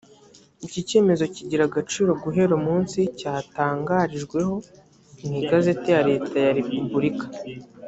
iki cyemezo kigira agaciro guhera umunsi cyatangarijweho mu igazeti ya leta ya repubulika